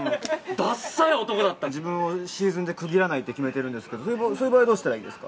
だっさい男だった自分をシーズンで区切らないって決めてるんですけどそういう場合はどうしたらいいですか？